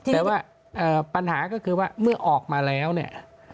แต่ว่าปัญหาก็คือว่าเมื่อออกมาแล้วเนี่ย